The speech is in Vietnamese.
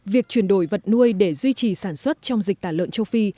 việc chuyển đổi vật nuôi để duy trì sản xuất trong dịch tả lợn châu phi